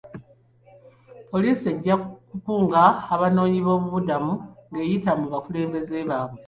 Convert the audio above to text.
Poliisi ejja kukunga abanoonyi boobubudamu ng'eyita mu bakulembeze baabwe.